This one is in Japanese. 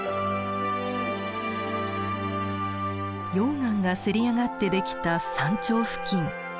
溶岩がせり上がってできた山頂付近。